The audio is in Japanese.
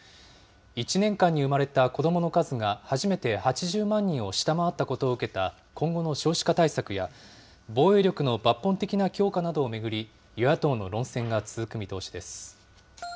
１年間に生まれた子どもの数が初めて８０万人を下回ったことを受けた今後の少子化対策や、防衛力の抜本的な強化などを巡り、与野党の論戦が続く見通しです。